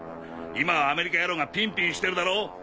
今はアメリカ野郎がピンピンしてるだろ？